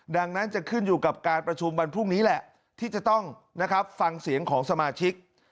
ดังนั้นจะขึ้นอยู่กับการประชุมวันพรุ่งนี้แหละที่จะต้องฟังเสียงของสมาชิก